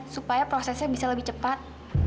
supaya prosesnya bisa lebih cepat